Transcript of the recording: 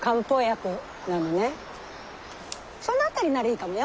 その辺りならいいかもよ。